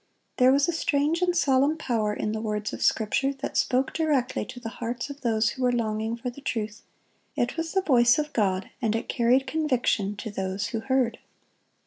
There was a strange and solemn power in the words of Scripture that spoke directly to the hearts of those who were longing for the truth. It was the voice of God, and it carried conviction to those who heard.